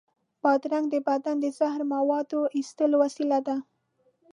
بادرنګ د بدن د زهري موادو د ایستلو وسیله ده.